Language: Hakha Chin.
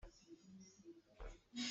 Chang na nawn cang maw?